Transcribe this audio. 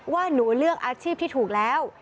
ว่าหนูเลือกอาชีพที่ถูกแล้ว